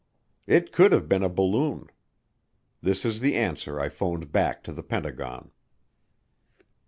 It could have been a balloon. This is the answer I phoned back to the Pentagon.